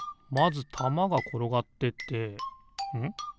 まずたまがころがってってん？